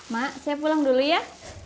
mak saya pulang dulu ya